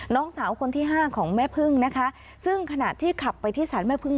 น้องสาวคนที่ห้าของแม่พึ่งนะคะซึ่งขณะที่ขับไปที่สารแม่พึ่ง